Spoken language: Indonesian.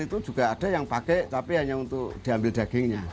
itu juga ada yang pakai tapi hanya untuk diambil dagingnya